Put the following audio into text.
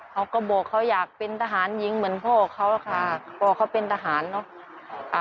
เขาก็บอกเขาอยากเป็นทหารหญิงเหมือนพ่อเขาอะค่ะพ่อเขาเป็นทหารเนอะ